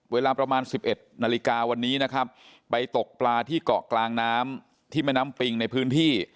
เวลาประมาณ๑๑นาฬิกาวันนี้นะครับไปตกปลาที่เกาะกลางน้ำที่แม่น้ำปิงในพื้นที่